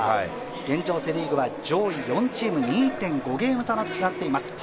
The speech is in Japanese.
現状、セ・リーグは上位４チーム、２．５ゲーム差となっています。